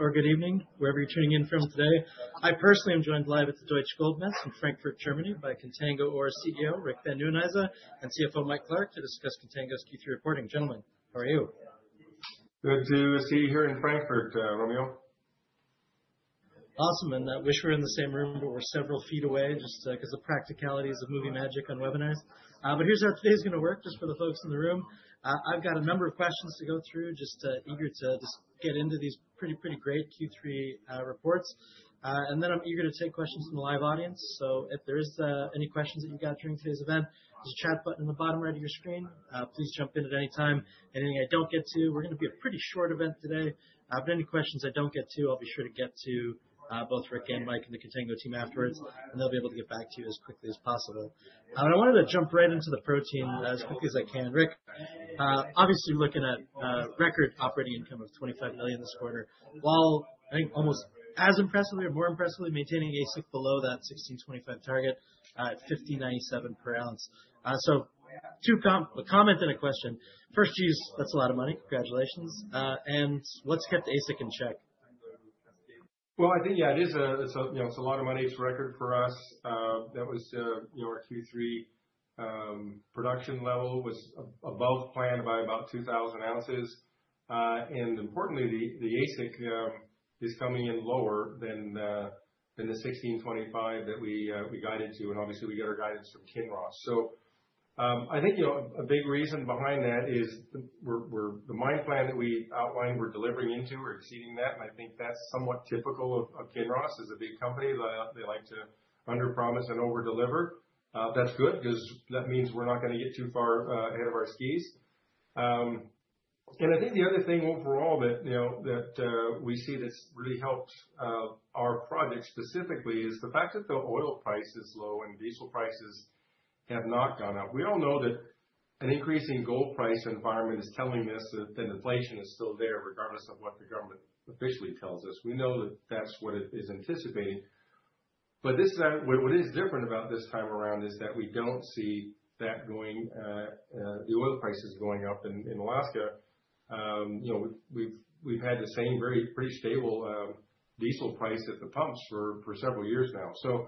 Or good evening, wherever you're tuning in from today. I personally am joined live at the Deutsche Goldmesse in Frankfurt, Germany, by Contango Ore CEO Rick Van Nieuwenhuyse and CFO Mike Clark to discuss Contango's Q3 reporting. Gentlemen, how are you? Good to see you here in Frankfurt, Romeo. Awesome. I wish we were in the same room, but we're several feet away just because of the practicalities of movie magic on webinars. Here's how today's going to work, just for the folks in the room. I've got a number of questions to go through, just eager to get into these pretty, pretty great Q3 reports. I'm eager to take questions from the live audience. If there are any questions that you've got during today's event, there's a chat button in the bottom right of your screen. Please jump in at any time. Anything I don't get to, we're going to be a pretty short event today. Any questions I don't get to, I'll be sure to get to both Rick and Mike and the Contango team afterwards, and they'll be able to get back to you as quickly as possible. I wanted to jump right into the protein as quickly as I can. Rick, obviously we're looking at record operating income of $25 million this quarter, while I think almost as impressively or more impressively maintaining AISC below that $1,625 target at $15.97/oz. Two comments and a question. First, that's a lot of money. Congratulations. What's kept AISC in check? Yeah, it is a lot of money's record for us. That was our Q3 production level was above plan by about 2,000 oz. Importantly, the AISC is coming in lower than the $1,625 that we guided to. Obviously, we get our guidance from Kinross. I think a big reason behind that is the mine plan that we outlined we're delivering into or exceeding that. I think that's somewhat typical of Kinross as a big company. They like to underpromise and overdeliver. That's good because that means we're not going to get too far ahead of our skis. I think the other thing overall that we see that's really helped our project specifically is the fact that the oil price is low and diesel prices have not gone up. We all know that an increasing gold price environment is telling us that inflation is still there regardless of what the government officially tells us. We know that that's what it is anticipating. What is different about this time around is that we do not see that going, the oil prices going up in Alaska. We have had the same very pretty stable diesel price at the pumps for several years now.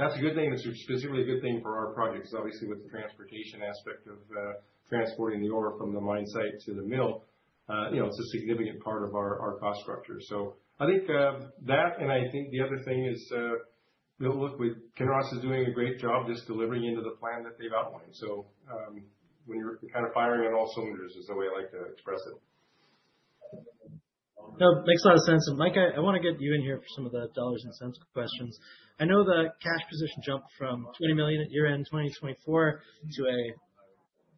That is a good thing. It is specifically a good thing for our project because obviously with the transportation aspect of transporting the ore from the mine site to the mill, it is a significant part of our cost structure. I think that, and I think the other thing is, look, Kinross is doing a great job just delivering into the plan that they have outlined. When you're kind of firing on all cylinders is the way I like to express it. No, makes a lot of sense. Mike, I want to get you in here for some of the dollars and cents questions. I know the cash position jumped from $20 million at year-end 2024 to an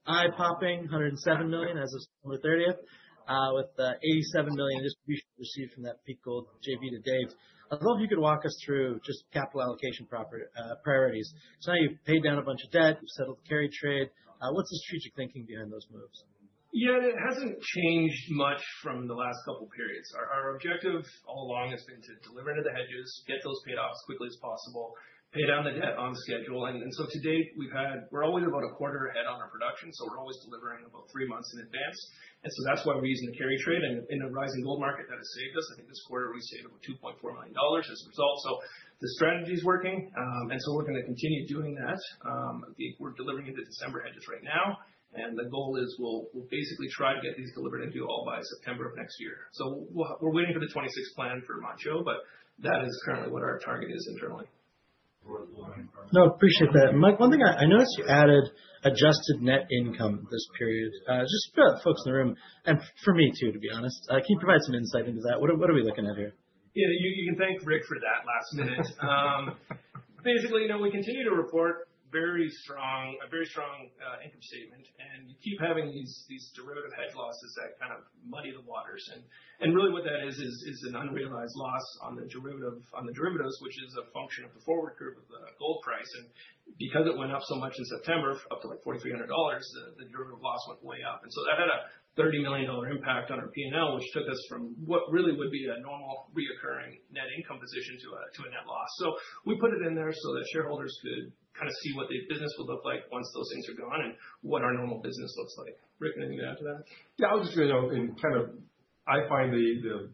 eye-popping $107 million as of September 30th, with $87 million in distribution received from that Peak Gold JV to date. I'd love if you could walk us through just capital allocation priorities. Now you've paid down a bunch of debt, you've settled the carry trade. What's the strategic thinking behind those moves? Yeah, it hasn't changed much from the last couple of periods. Our objective all along has been to deliver into the hedges, get those payoffs as quickly as possible, pay down the debt on schedule. To date, we're always about a quarter ahead on our production. We're always delivering about three months in advance. That's why we're using the carry trade. In a rising gold market that has saved us, I think this quarter we saved about $2.4 million as a result. The strategy is working. We're going to continue doing that. I think we're delivering into December hedges right now. The goal is we'll basically try to get these delivered into all by September of next year. We're waiting for the 2026 plan for Manh Choh, but that is currently what our target is internally. No, appreciate that. Mike, one thing, I noticed you added adjusted net income this period. Just for the folks in the room and for me too, to be honest, can you provide some insight into that? What are we looking at here? Yeah, you can thank Rick for that last minute. Basically, we continue to report a very strong income statement. You keep having these derivative hedge losses that kind of muddy the waters. Really what that is, is an unrealized loss on the derivatives, which is a function of the forward curve of the gold price. Because it went up so much in September, up to like $4,300, the derivative loss went way up. That had a $30 million impact on our P&L, which took us from what really would be a normal recurring net income position to a net loss. We put it in there so that shareholders could kind of see what the business would look like once those things are gone and what our normal business looks like. Rick, anything to add to that? Yeah, I was just going to say, and kind of I find the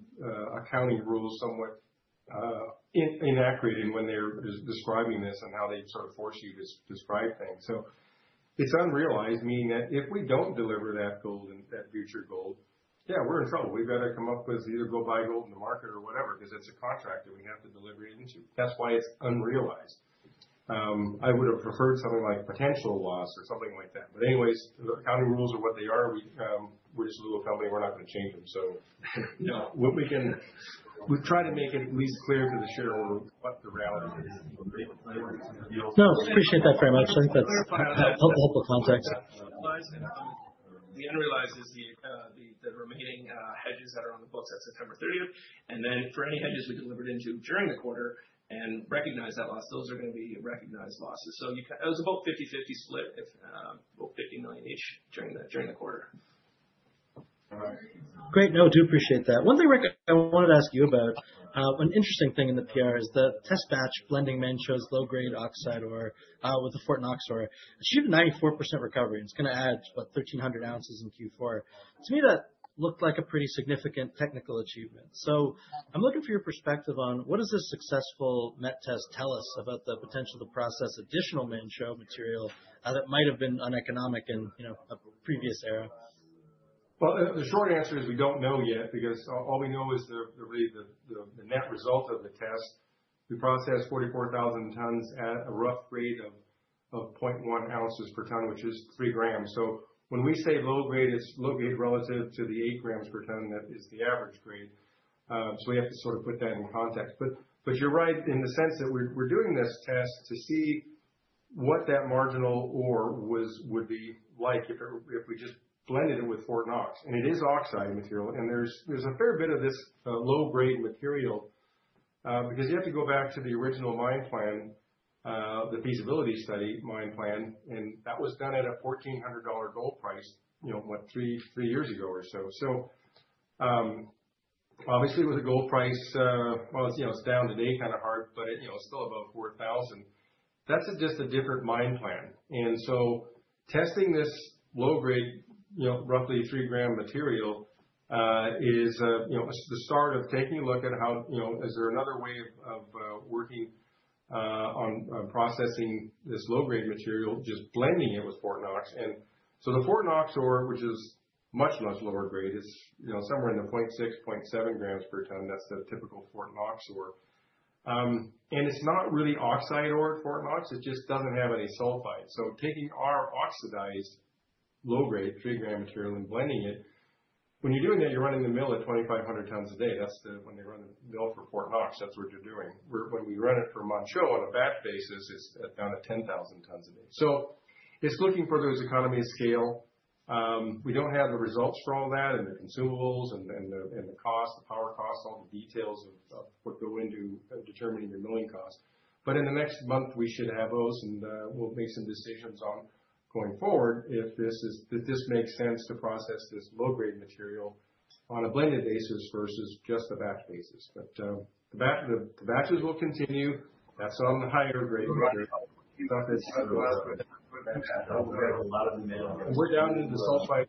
accounting rules somewhat inaccurate in when they're describing this and how they sort of force you to describe things. So it's unrealized, meaning that if we don't deliver that gold and that future gold, yeah, we're in trouble. We better come up with either go buy gold in the market or whatever, because it's a contract that we have to deliver it into. That's why it's unrealized. I would have preferred something like potential loss or something like that. Anyways, the accounting rules are what they are. We're just a little company. We're not going to change them. We try to make it at least clear to the shareholder what the reality is. No, appreciate that very much. I think that's helpful context. The unrealized is the remaining hedges that are on the books at September 30th. For any hedges we delivered into during the quarter and recognize that loss, those are going to be recognized losses. It was about a 50-50 split, about $50 million each during the quarter. Great. No, do appreciate that. One thing I wanted to ask you about, an interesting thing in the PR is the test batch blending Manh Choh's low-grade oxide ore with the Fort Knox ore. Achieved a 94% recovery and it's going to add about 1,300 oz in Q4. To me, that looked like a pretty significant technical achievement. I am looking for your perspective on what does a successful met test tell us about the potential to process additional Manh Choh material that might have been uneconomic in a previous era? The short answer is we don't know yet because all we know is the net result of the test. We processed 44,000 tons at a rough grade of 0.1 oz/ton, which is 3 g. When we say low grade, it's low grade relative to the 8 g/ton that is the average grade. We have to sort of put that in context. You're right in the sense that we're doing this test to see what that marginal ore would be like if we just blended it with Fort Knox. It is oxide material. There's a fair bit of this low-grade material because you have to go back to the original mine plan, the feasibility study mine plan, and that was done at a $1,400 gold price, what, three years ago or so. Obviously with a gold price, well, it's down today kind of hard, but it's still above $4,000. That's just a different mine plan. Testing this low-grade, roughly 3 g material is the start of taking a look at how is there another way of working on processing this low-grade material, just blending it with Fort Knox. The Fort Knox ore, which is much, much lower grade, it's somewhere in the 0.6 g-0.7 g/ton. That's the typical Fort Knox ore. It's not really oxide ore at Fort Knox. It just doesn't have any sulfide. Taking our oxidized low-grade 3 g material and blending it, when you're doing that, you're running the mill at 2,500 tons a day. That's when they run the mill for Fort Knox. That's what you're doing. When we run it for Manh Choh on a batch basis, it's down to 10,000 tons a day. It's looking for those economies of scale. We don't have the results for all that and the consumables and the cost, the power cost, all the details of what go into determining the milling cost. In the next month, we should have those and we'll make some decisions on going forward if this makes sense to process this low-grade material on a blended basis versus just a batch basis. The batches will continue. That's on the higher grade. We're down in the sulfide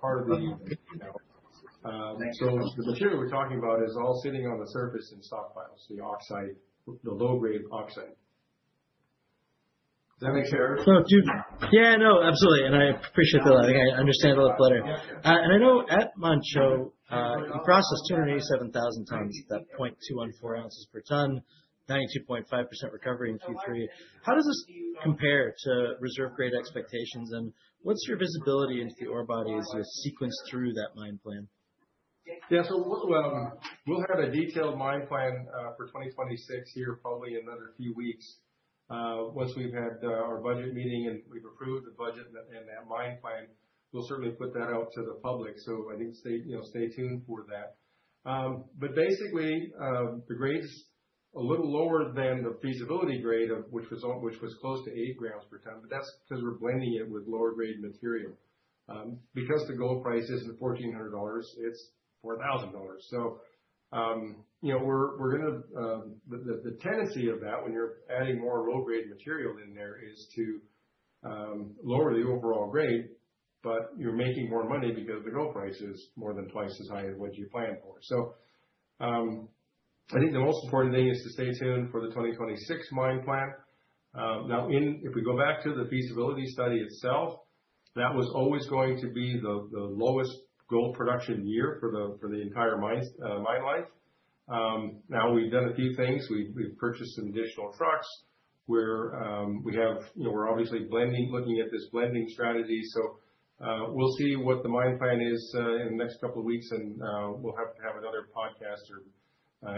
part of the material. The material we're talking about is all sitting on the surface in stockpiles, the oxide, the low-grade oxide. Does that make sense? Yeah, no, absolutely. I appreciate the lighting. I understand a lot better. I know at Manh Choh, you processed 287,000 tons at that 0.214 oz/ton, 92.5% recovery in Q3. How does this compare to reserve grade expectations? What's your visibility into the ore bodies you have sequenced through that mine plan? Yeah, so we'll have a detailed mine plan for 2026 here, probably in another few weeks. Once we've had our budget meeting and we've approved the budget and that mine plan, we'll certainly put that out to the public. I think stay tuned for that. Basically, the grade is a little lower than the feasibility grade, which was close to 8 g/ton. That's because we're blending it with lower-grade material. Because the gold price isn't $1,400, it's $4,000. The tendency when you're adding more low-grade material in there is to lower the overall grade, but you're making more money because the gold price is more than twice as high as what you planned for. I think the most important thing is to stay tuned for the 2026 mine plan. Now, if we go back to the feasibility study itself, that was always going to be the lowest gold production year for the entire mine life. Now we've done a few things. We've purchased some additional trucks. We're obviously looking at this blending strategy. We will see what the mine plan is in the next couple of weeks. We will have to have another podcast or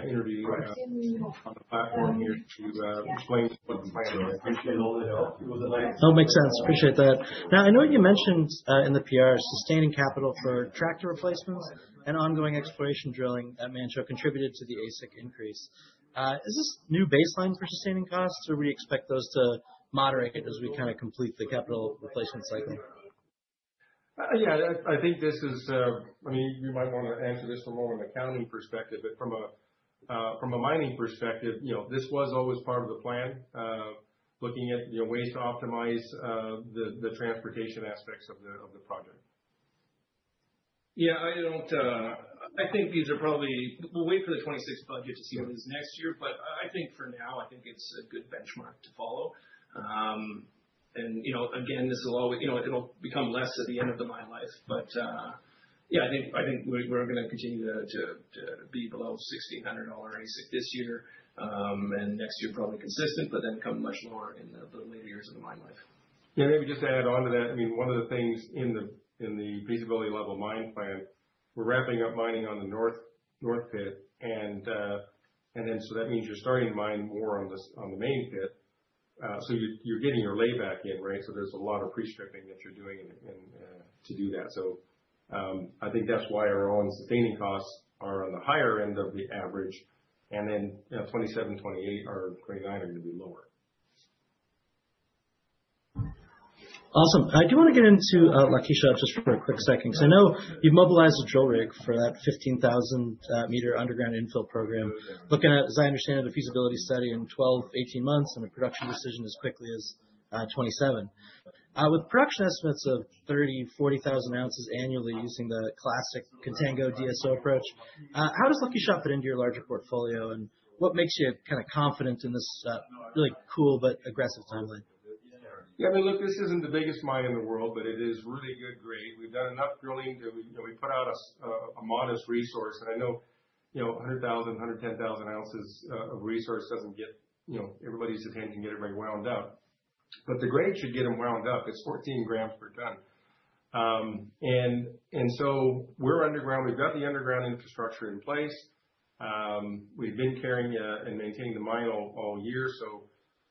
interview on the platform here to explain what the plan is. No, makes sense. Appreciate that. Now, I know you mentioned in the PR sustaining capital for tractor replacements and ongoing exploration drilling at Manh Choh contributed to the AISC increase. Is this new baseline for sustaining costs or would you expect those to moderate as we kind of complete the capital replacement cycle? Yeah, I think this is, I mean, we might want to answer this from more of an accounting perspective, but from a mining perspective, this was always part of the plan, looking at ways to optimize the transportation aspects of the project. Yeah, I think these are probably, we'll wait for the 2026 budget to see what it is next year. I think for now, I think it's a good benchmark to follow. Again, this will always, it'll become less at the end of the mine life. Yeah, I think we're going to continue to be below $1,600 AISC this year and next year probably consistent, but then come much lower in the later years of the mine life. Yeah, maybe just to add on to that, I mean, one of the things in the feasibility level mine plan, we're wrapping up mining on the north pit. And then that means you're starting to mine more on the main pit. You're getting your layback in, right? There's a lot of pre-stripping that you're doing to do that. I think that's why our own sustaining costs are on the higher end of the average. Then 2027, 2028, or 2029 are going to be lower. Awesome. I do want to get into Lucky Shot just for a quick second because I know you've mobilized the drill rig for that 15,000 m underground infill program. Looking at, as I understand it, the feasibility study in 12 months-18 months and a production decision as quickly as 2027. With production estimates of 30,000-40,000 oz annually using the classic Contango DSO approach, how does Lucky Shot fit into your larger portfolio and what makes you kind of confident in this really cool but aggressive timeline? Yeah, I mean, look, this isn't the biggest mine in the world, but it is really good grade. We've done enough drilling that we put out a modest resource. I know 100,000 oz-110,000 oz of resource doesn't get everybody's attention to get everybody wound up. The grade should get them wound up. It's 14 g/ton. We're underground. We've got the underground infrastructure in place. We've been carrying and maintaining the mine all year.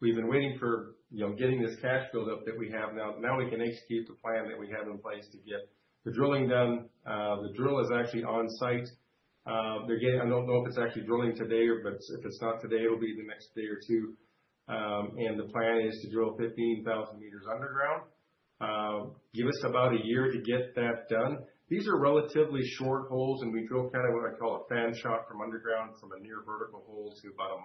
We've been waiting for getting this cash buildup that we have now. Now we can execute the plan that we have in place to get the drilling done. The drill is actually on site. I don't know if it's actually drilling today, but if it's not today, it'll be the next day or two. The plan is to drill 15,000 m underground. Give us about a year to get that done. These are relatively short holes. And we drill kind of what I call a fan shot from underground, from a near vertical hole to about a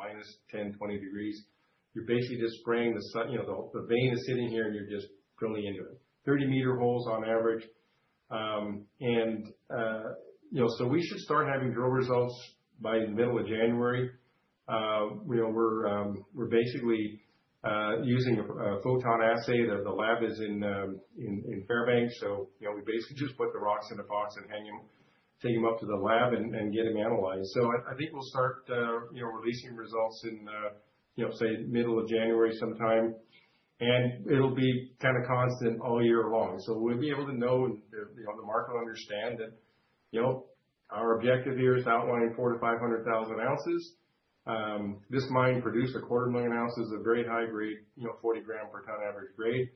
-10, -20 degrees. You're basically just spraying the sun. The vein is sitting here and you're just drilling into it. 30-m holes on average. And so we should start having drill results by the middle of January. We're basically using a photon assay. The lab is in Fairbanks. So we basically just put the rocks in a box and take them up to the lab and get them analyzed. I think we'll start releasing results in, say, middle of January sometime. And it'll be kind of constant all year long. We'll be able to know and the market will understand that our objective here is outlining 4-500,000 oz. This mine produced a quarter million ounces of very high grade, 40 g/ton average grade.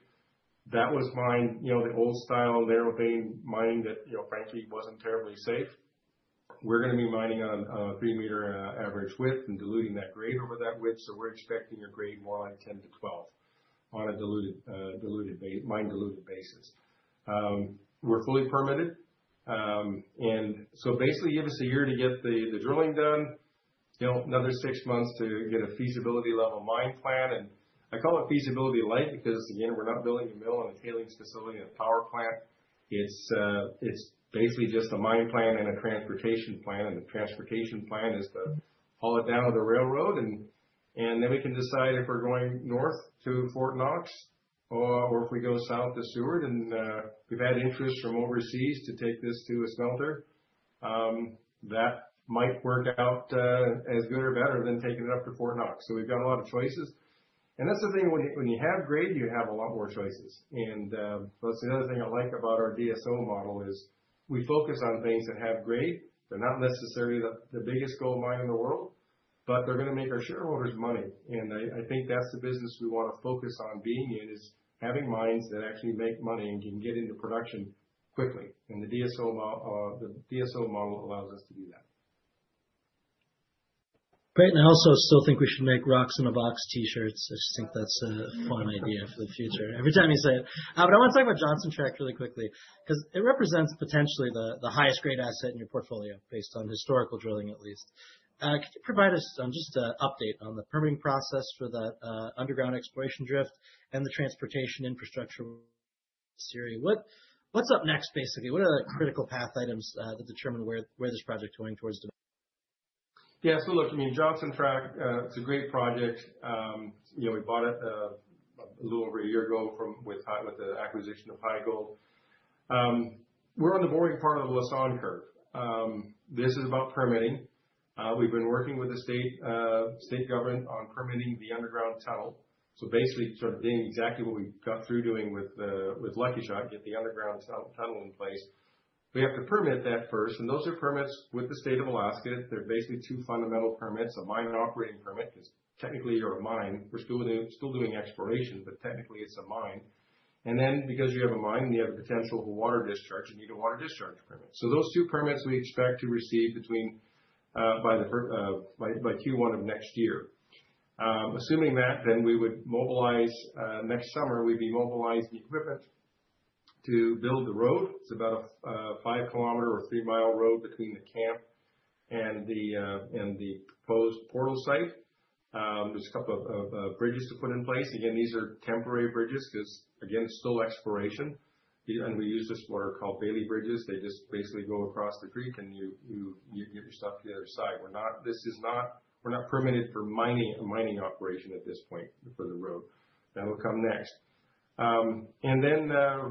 That was mined, the old style narrow-beam mine that frankly was not terribly safe. We are going to be mining on a 3 m average width and diluting that grade over that width. We are expecting a grade more like 10-12 on a mine diluted basis. We are fully permitted. Basically, give us a year to get the drilling done, another six months to get a feasibility level mine plan. I call it feasibility light because, again, we are not building a mill or a tailings facility and a power plant. It is basically just a mine plan and a transportation plan. The transportation plan is to haul it down to the railroad. We can decide if we are going north to Fort Knox or if we go south to Seward. We have had interest from overseas to take this to a smelter. That might work out as good or better than taking it up to Fort Knox. We have a lot of choices. When you have grade, you have a lot more choices. The other thing I like about our DSO model is we focus on things that have grade. They are not necessarily the biggest gold mine in the world, but they are going to make our shareholders money. I think that is the business we want to focus on being in, having mines that actually make money and can get into production quickly. The DSO model allows us to do that. Great. I also still think we should make rocks in a box T-shirts. I just think that's a fun idea for the future. Every time you say it. I want to talk about Johnson Tract really quickly because it represents potentially the highest grade asset in your portfolio based on historical drilling at least. Could you provide us just an update on the permitting process for that underground exploration drift and the transportation infrastructure? What's up next, basically? What are the critical path items that determine where this project is going towards? Yeah, so look, I mean, Johnson Tract, it's a great project. We bought it a little over a year ago with the acquisition of High Gold. We're on the boring part of the Lassonde Curve. This is about permitting. We've been working with the state government on permitting the underground tunnel. Basically sort of doing exactly what we got through doing with Lucky Shot, get the underground tunnel in place. We have to permit that first. Those are permits with the state of Alaska. They're basically two fundamental permits, a mine operating permit because technically you're a mine. We're still doing exploration, but technically it's a mine. Then because you have a mine and you have a potential for water discharge, you need a water discharge permit. Those two permits we expect to receive by Q1 of next year. Assuming that, then we would mobilize next summer, we'd be mobilizing equipment to build the road. It's about a 5 km or 3 mi road between the camp and the proposed portal site. There's a couple of bridges to put in place. Again, these are temporary bridges because, again, it's still exploration. And we use this what are called Bailey bridges. They just basically go across the creek and you get your stuff to the other side. This is not permitted for mining operation at this point for the road. That'll come next.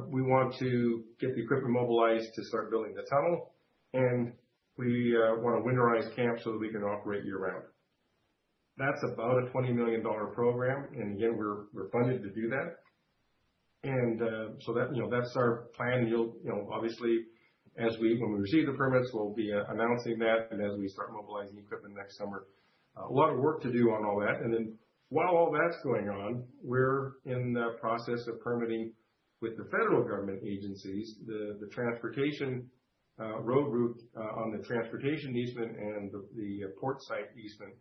We want to get the equipment mobilized to start building the tunnel. We want a winterized camp so that we can operate year-round. That's about a $20 million program. Again, we're funded to do that. That's our plan. Obviously, when we receive the permits, we'll be announcing that, and as we start mobilizing equipment next summer, a lot of work to do on all that. While all that's going on, we're in the process of permitting with the federal government agencies, the transportation road route on the transportation easement and the port site easement,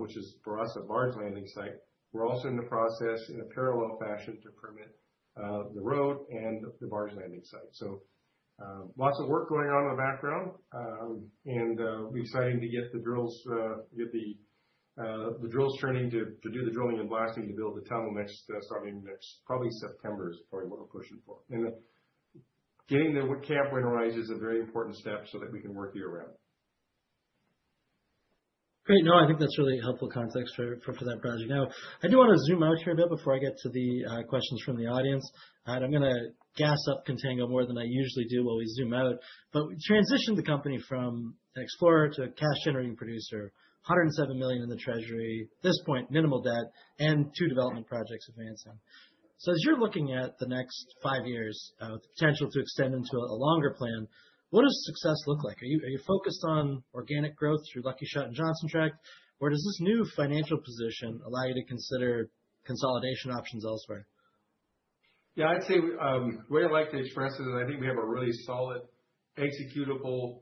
which is for us a barge landing site. We're also in the process in a parallel fashion to permit the road and the barge landing site. Lots of work going on in the background. We're excited to get the drills turning to do the drilling and blasting to build the tunnel next, starting next probably September is probably what we're pushing for. Getting the camp winterized is a very important step so that we can work year-round. Great. No, I think that's really helpful context for that browsing. Now, I do want to zoom out here a bit before I get to the questions from the audience. I'm going to gas up Contango more than I usually do while we zoom out. We transitioned the company from explorer to cash-generating producer, $107 million in the treasury, at this point minimal debt, and two development projects advancing. As you're looking at the next five years with the potential to extend into a longer plan, what does success look like? Are you focused on organic growth through Lucky Shot and Johnson Tract? Or does this new financial position allow you to consider consolidation options elsewhere? Yeah, I'd say the way I like to express it is I think we have a really solid executable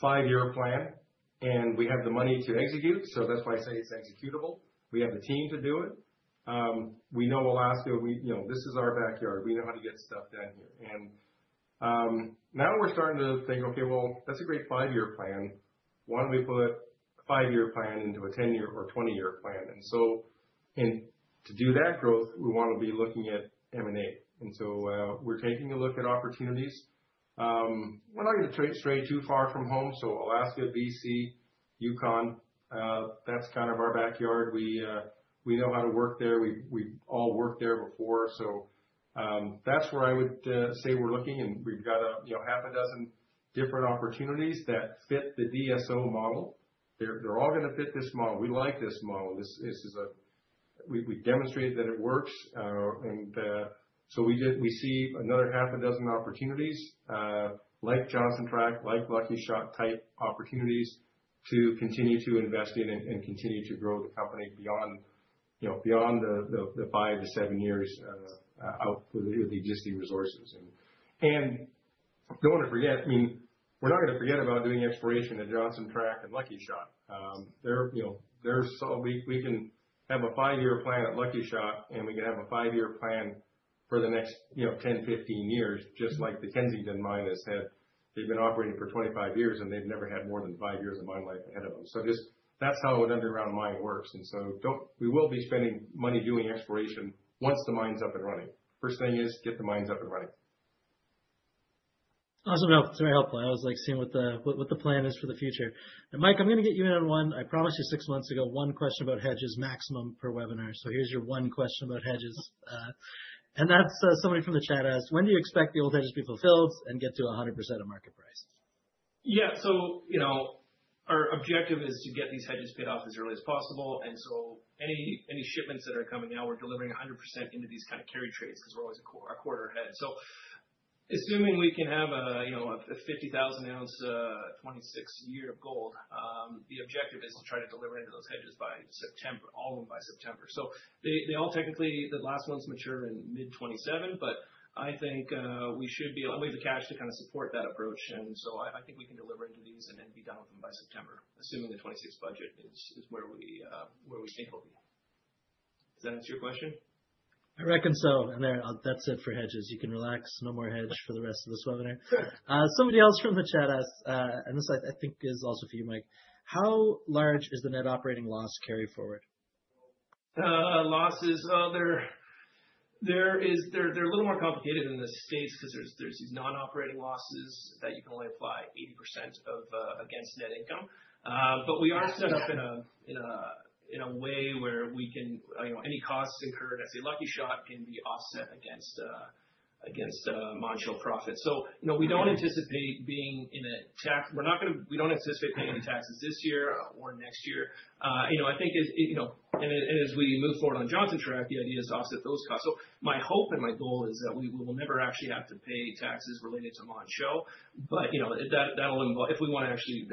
five-year plan. And we have the money to execute. That's why I say it's executable. We have the team to do it. We know Alaska. This is our backyard. We know how to get stuff done here. Now we're starting to think, okay, well, that's a great five-year plan. Why don't we put a five-year plan into a 10-year or 20-year plan? To do that growth, we want to be looking at M&A. We're taking a look at opportunities. We're not going to stray too far from home. Alaska, BC, Yukon, that's kind of our backyard. We know how to work there. We've all worked there before. That's where I would say we're looking. We've got half a dozen different opportunities that fit the DSO model. They're all going to fit this model. We like this model. We demonstrated that it works. We see another half a dozen opportunities like Johnson Tract, like Lucky Shot type opportunities to continue to invest in and continue to grow the company beyond the five to seven years out with the existing resources. I don't want to forget, I mean, we're not going to forget about doing exploration at Johnson Tract and Lucky Shot. We can have a five-year plan at Lucky Shot and we can have a five-year plan for the next 10 years-15 years, just like the Kensington mine has had. They've been operating for 25 years and they've never had more than five years of mine life ahead of them. That's how an underground mine works. We will be spending money doing exploration once the mine's up and running. First thing is get the mines up and running. Awesome. Very helpful. I was seeing what the plan is for the future. Mike, I'm going to get you in on one. I promised you six months ago one question about hedges maximum per webinar. Here's your one question about hedges. Somebody from the chat asked, when do you expect the old hedges to be fulfilled and get to 100% of market price? Yeah. Our objective is to get these hedges bid off as early as possible. Any shipments that are coming out, we're delivering 100% into these kind of carry trades because we're always a quarter ahead. Assuming we can have a 50,000 oz, 2026 year of gold, the objective is to try to deliver into those hedges by September, all of them by September. They all technically, the last ones mature in mid-2027, but I think we should be able to have the cash to kind of support that approach. I think we can deliver into these and be done with them by September, assuming the 2026 budget is where we think it'll be. Does that answer your question? I reckon so. That is it for hedges. You can relax. No more hedge for the rest of this webinar. Somebody else from the chat asked, and this I think is also for you, Mike. How large is the net operating loss carry forward? Losses, they're a little more complicated in the U.S. because there's these non-operating losses that you can only apply 80% of against net income. We are set up in a way where any costs incurred at Lucky Shot can be offset against monthly profits. We don't anticipate being in a tax, we don't anticipate paying any taxes this year or next year. I think as we move forward on Johnson Tract, the idea is to offset those costs. My hope and my goal is that we will never actually have to pay taxes related to Manh Choh. If we want to actually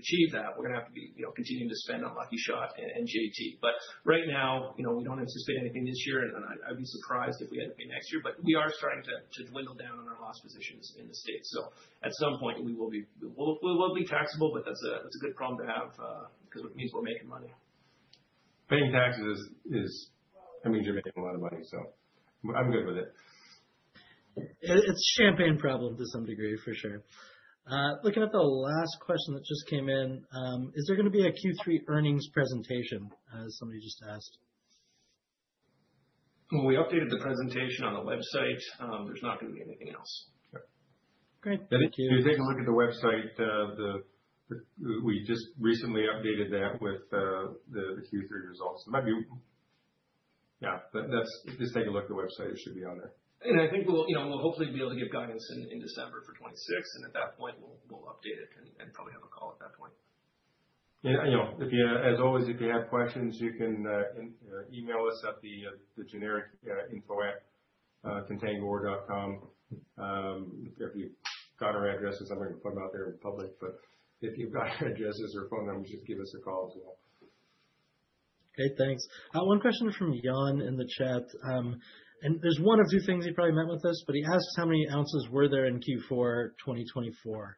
achieve that, we're going to have to be continuing to spend on Lucky Shot and JT. Right now, we don't anticipate anything this year. I'd be surprised if we had to pay next year. We are starting to dwindle down on our loss positions in the U.S. At some point, we will be taxable, but that's a good problem to have because it means we're making money. Paying taxes means you're making a lot of money. So I'm good with it. It's a champagne problem to some degree, for sure. Looking at the last question that just came in, is there going to be a Q3 earnings presentation as somebody just asked? We updated the presentation on the website. There's not going to be anything else. Great. Thank you. If you take a look at the website, we just recently updated that with the Q3 results. Yeah. Just take a look at the website. It should be on there. I think we'll hopefully be able to give guidance in December for 2026. At that point, we'll update it and probably have a call at that point. As always, if you have questions, you can email us at the generic info@contangoore.com. If you've got our addresses, I'm not going to put them out there in public. But if you've got our addresses or phone numbers, just give us a call as well. Great. Thanks. One question from Yann in the chat. There's one of two things he probably meant with this, but he asks how many ounces were there in Q4 2024.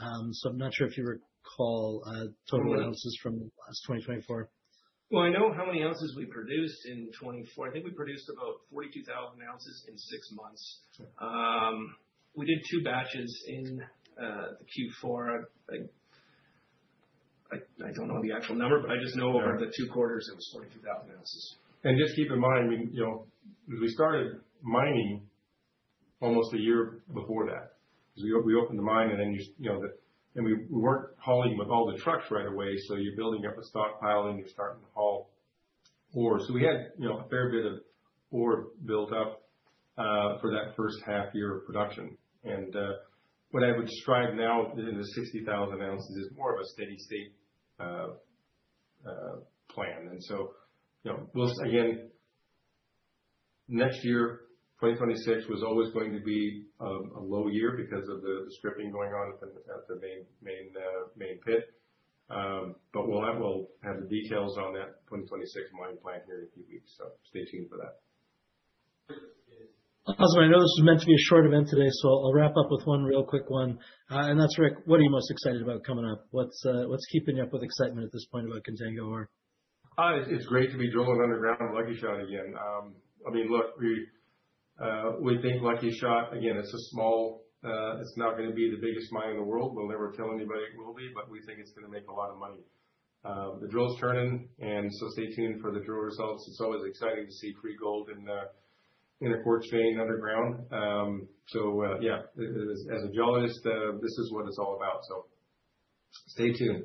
I'm not sure if you recall total ounces from last 2024. I know how many ounces we produced in 2024. I think we produced about 42,000 oz in six months. We did two batches in Q4. I do not know the actual number, but I just know over the two quarters, it was 42,000 oz. Just keep in mind, we started mining almost a year before that. We opened the mine and then we were not hauling with all the trucks right away. You are building up a stockpile and you are starting to haul ore. We had a fair bit of ore built up for that first half year of production. What I would describe now in the 60,000 oz is more of a steady state plan. Again, next year, 2026 was always going to be a low year because of the stripping going on at the main pit. We will have the details on that 2026 mine plan here in a few weeks. Stay tuned for that. Awesome. I know this was meant to be a short event today. I'll wrap up with one real quick one. That's Rick, what are you most excited about coming up? What's keeping you up with excitement at this point about Contango Ore? It's great to be drilling underground Lucky Shot again. I mean, look, we think Lucky Shot, again, it's a small, it's not going to be the biggest mine in the world. We'll never tell anybody it will be, but we think it's going to make a lot of money. The drill's turning. Stay tuned for the drill results. It's always exciting to see free gold in a quartz vein underground. Yeah, as a geologist, this is what it's all about. Stay tuned.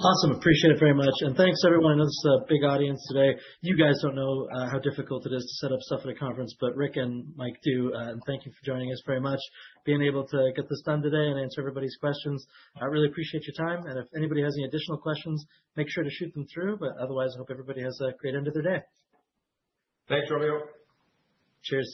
Awesome. Appreciate it very much. Thanks, everyone. It's a big audience today. You guys don't know how difficult it is to set up stuff at a conference, but Rick and Mike do. Thank you for joining us very much, being able to get this done today and answer everybody's questions. I really appreciate your time. If anybody has any additional questions, make sure to shoot them through. Otherwise, I hope everybody has a great end of their day. Thanks, Romeo. Cheers.